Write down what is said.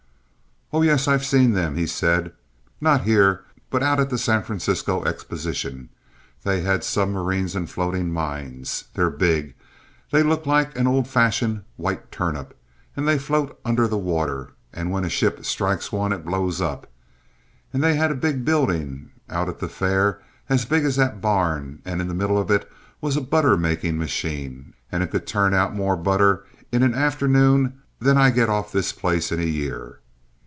"Oh, yes; I've seen them," he said; "not here, but out at the San Francisco Exposition. They had submarines and floating mines. They're big. They look like an old fashioned white turnip, and they float under the water, and when a ship strikes one it blows up. An' they had a big buildin' out at the fair as big as that barn, and in the middle of it was a butter making machine, and it could turn out more butter in an afternoon than I get off this place in a year.